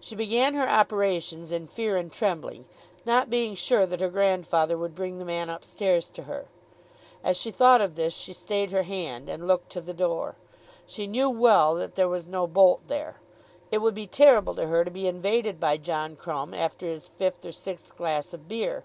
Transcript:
She began her operations in fear and trembling, not being sure but that her grandfather would bring the man up stairs to her. As she thought of this she stayed her hand, and looked to the door. She knew well that there was no bolt there. It would be terrible to her to be invaded by John Crumb after his fifth or sixth glass of beer.